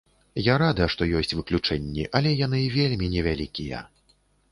Я рада, што ёсць выключэнні, але яны вельмі невялікія.